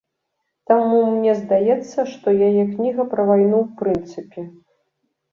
Таму мне здаецца, што яе кніга пра вайну ў прынцыпе.